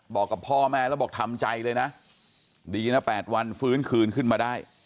บอกกับพ่อแม่แล้วบอกทำใจเลยนะดีนะ๘วันฟื้นคืนขึ้นมาได้